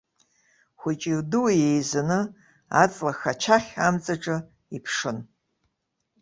Хәыҷи-дуи еизаны, аҵла хачахь амҵаҿы иԥшын.